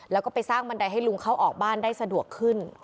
แล้วก็ไปสร้างบันไดให้ลุงเข้าออกบ้านได้สะดวกขึ้น